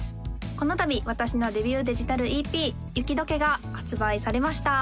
このたび私のデビューデジタルＥＰ「ユキドケ」が発売されました